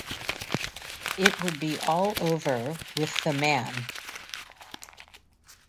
It would be all over with the man.